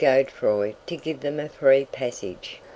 Godeffroy to give them a free passage.